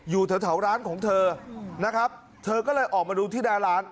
อยู่แถวร้านของเธอนะครับเธอก็เลยออกมาดูที่หน้าร้าน